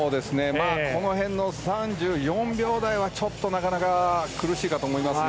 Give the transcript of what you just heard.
この辺の３４秒台はちょっとなかなか苦しいかと思いますが。